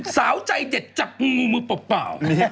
สาวใจเด็ดจับงูมือเปล่า